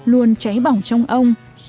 luôn cháy bỏng trong ông